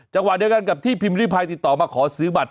จังหวะเดียวกันกับที่พิมพ์ริพายติดต่อมาขอซื้อบัตร